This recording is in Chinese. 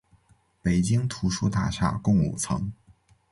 北京图书大厦共五层。